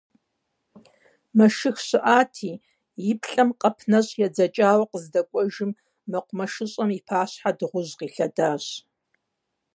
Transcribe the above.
Мэшых щыӏати, и плӏэм къэп нэщӏ едзэкӏауэ къыздэкӏуэжым, мэкъумэшыщӏэм и пащхьэ дыгъужь къилъэдащ.